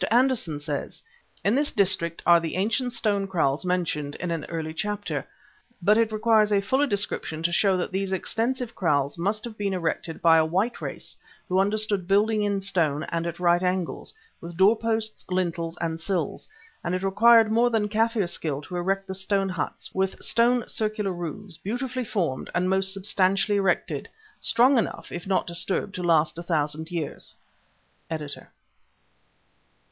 Anderson says, "In this district are the ancient stone kraals mentioned in an early chapter; but it requires a fuller description to show that these extensive kraals must have been erected by a white race who understood building in stone and at right angles, with door posts, lintels, and sills, and it required more than Kaffir skill to erect the stone huts, with stone circular roofs, beautifully formed and most substantially erected; strong enough, if not disturbed, to last a thousand years." —Editor.